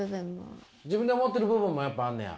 自分で思ってる部分もやっぱあんねや。